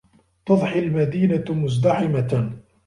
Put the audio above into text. تُضْحِي الْمَدِينَةُ مُزْدَحِمَةً.